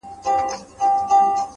پوهه له تجربو رنګ اخلي.!